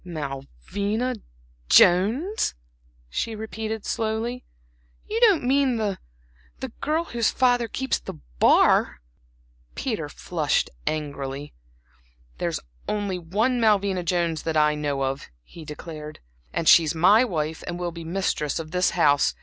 "Malvina Jones!" she repeated, slowly. "You don't mean the the girl whose father keeps the bar?" Peter flushed angrily. "There's only one Malvina Jones that I know of" he declared, "and she's my wife and will be the mistress of this house.